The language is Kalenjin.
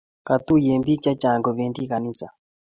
Katuye piik chechang' kopendi ganisa